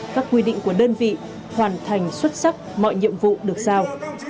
các quy định của đơn vị hoàn thành xuất sắc mọi nhiệm vụ được giao